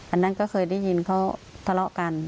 อันนั้นก็เคยได้ยินเขาทะเลาะกัน